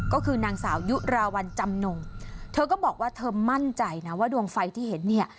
ก็คือนางสาวยุราวัลจำนงเธอก็บอกว่าเธอมั่นใจนะว่าดวงไฟที่เห็นเนี่ย